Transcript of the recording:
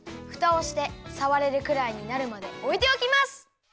ふたをしてさわれるくらいになるまでおいておきます！